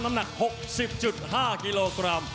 น้ำหนัก๖๐๕กิโลกรัม